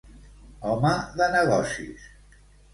Home de negocis.